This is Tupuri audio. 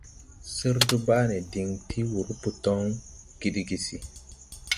Sir Dubane diŋ ti wur botoŋ Gidigisi.